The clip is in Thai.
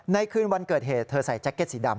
คืนวันเกิดเหตุเธอใส่แจ็คเก็ตสีดำ